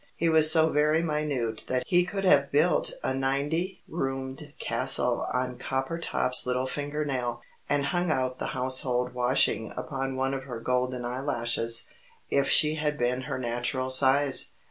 He was so very minute that he could have built a ninety roomed castle on Coppertop's little finger nail, and hung out the household washing upon one of her golden eyelashes, if she had been her natural size.